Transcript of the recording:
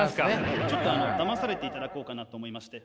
ちょっとだまされていただこうかなと思いまして。